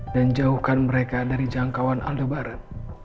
dan jauhkan mereka dari jangkauan aldebaran